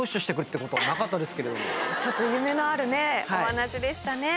ちょっと夢のあるお話でしたね。